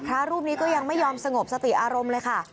พระรูปนี้ก็ยังไม่ยอมสงบสติอารมณ์เลยค่ะ